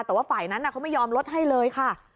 แต่ว่าฝ่ายนั้นเขาไม่ยอมลดให้เลยค่ะ